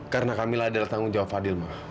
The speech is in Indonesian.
karena kamila adalah tanggung jawab fadil mak